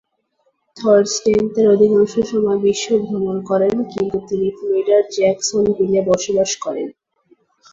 Thorsten তার অধিকাংশ সময় বিশ্ব ভ্রমণ করেন, কিন্তু তিনি ফ্লোরিডার জ্যাকসনভিলে বসবাস করেন।